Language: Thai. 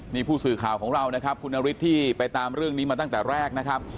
นี่ผู้สื่อข่าวของเรานะครับคุณนฤทธิ์ที่ไปตามเรื่องนี้มาตั้งแต่แรกนะครับ